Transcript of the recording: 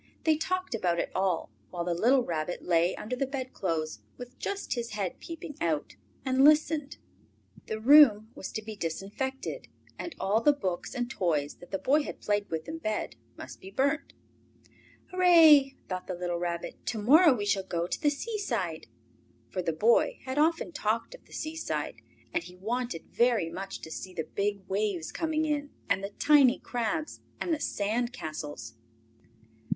They talked about it all, while the little Rabbit lay under the bedclothes, with just his head peeping out, and listened. The room was to be disinfected, and all the books and toys that the Boy had played with in bed must be burnt. "Hurrah!" thought the little Rabbit. "To morrow we shall go to the seaside!" For the boy had often talked of the seaside, and he wanted very much to see the big waves coming in, and the tiny crabs, and the sand castles.